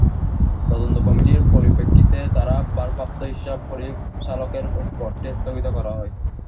তদন্ত কমিটির পরিপ্রেক্ষিতে তাঁর ভারপ্রাপ্ত হিসাব পরিচালকের পদটি স্থগিত করা হয়।